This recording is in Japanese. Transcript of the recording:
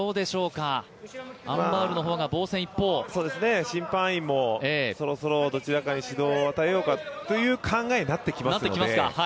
アン・バウルの方が防戦一方審判員もそろそろどちらかに指導を与えようかという考えになってきますので。